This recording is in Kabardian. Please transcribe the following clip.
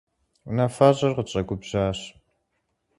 Унафэщӏыр къытщӀэгубжьащ.